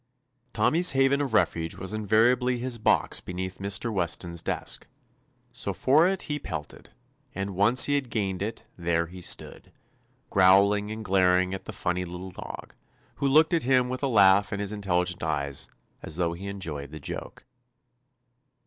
Tommy's haven of refuge was in variably his box beneath Mr. Wes ton's desk, so for it he pelted, and once he had gained it, there he stood, 222 TOMMY POSTOFFICE growling and glaring at the funny little dog, who looked at him with a laugh in his intelligent eyes, as though he enjoyed the joke.